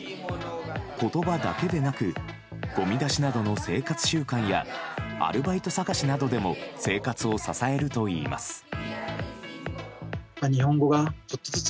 言葉だけでなくごみ出しなどの生活習慣やアルバイト探しなどでも生活を支えるといいます。